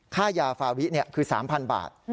ค่ายาฟาวิคือ๓๐๐บาท